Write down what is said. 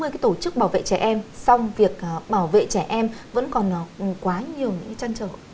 nước ta có gần hai mươi cái tổ chức bảo vệ trẻ em xong việc bảo vệ trẻ em vẫn còn quá nhiều những cái trăn trở